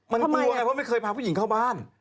มันกลัวไงว่าไม่เคยพาผู้หญิงเข้าบ้าน